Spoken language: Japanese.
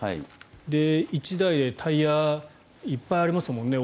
１台にタイヤがいっぱいありますもんね。